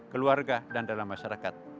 keluarga dan dalam masyarakat